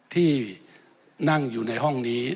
ที่นั่งอยู่ในห้องนี้